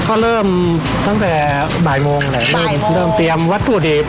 ก็เริ่มตั้งแต่บ่ายโมงแหละเริ่มเตรียมวัตถุดิบ